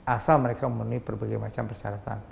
asal mereka memenuhi berbagai macam persyaratan